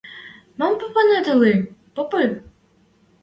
— Мам попынет ыльы — попы!